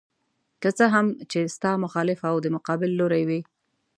که څه هم چې ستا مخالف او د مقابل لوري وي.